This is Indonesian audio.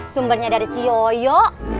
sumbernya dari si yoyo